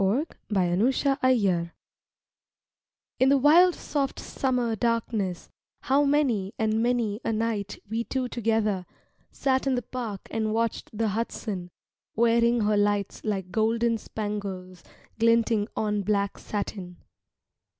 SUMMER NIGHT, RIVERSIDE IN the wild soft summer darkness How many and many a night we two together Sat in the park and watched the Hudson Wearing her lights like golden spangles Glinting on black satin.